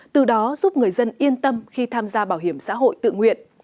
từ đó giúp người dân yên tâm khi tham gia bảo hiểm xã hội tự nguyện